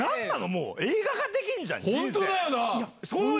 もう、映画化できるじゃん。